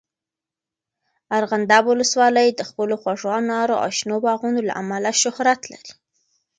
ارغنداب ولسوالۍ د خپلو خوږو انارو او شنو باغونو له امله شهرت لري.